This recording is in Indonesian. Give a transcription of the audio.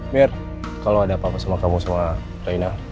mir kalau ada apa apa sama kamu sama reina